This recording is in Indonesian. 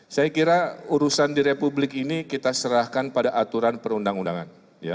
saya kira urusan di republik ini kita serahkan pada aturan perundang undangan